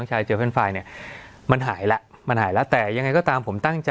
สวัสดีครับทุกผู้ชม